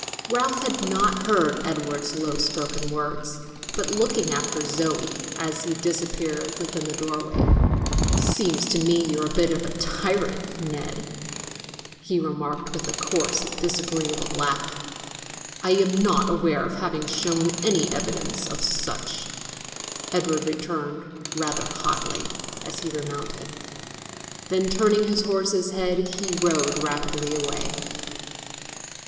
Ralph had not heard Edward's low spoken words, but looking after Zoe, as she disappeared within the doorway, "Seems to me you're a bit of a tyrant, Ned," he remarked with a coarse, disagreeable laugh. "I am not aware of having shown any evidence of being such," Edward returned rather haughtily, as he remounted. Then, turning his horse's head, he rode rapidly away.